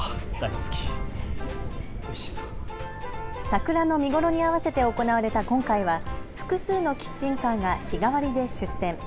桜の見頃に合わせて行われた今回は複数のキッチンカーが日替わりで出店。